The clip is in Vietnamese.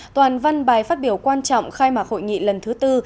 toàn văn bài phát biểu quan trọng khai mạc hội nghị lần thứ tư